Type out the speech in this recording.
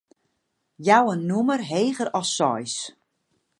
Jou in nûmer heger as seis.